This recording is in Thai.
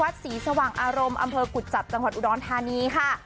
ศรีสว่างอารมณ์อำเภอกุจจับจังหวัดอุดรธานีค่ะ